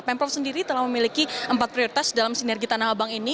pemprov sendiri telah memiliki empat prioritas dalam sinergi tanah abang ini